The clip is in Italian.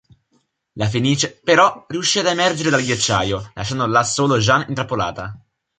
La Fenice però riuscì ad emergere dal ghiacciaio, lasciando la solo Jean intrappolata.